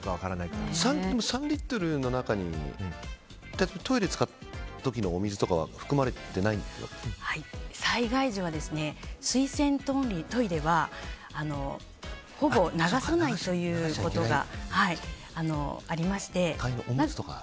３リットルの中にトイレ使う時のお水とかは災害時は水洗トイレはほぼ流せないということがありまして。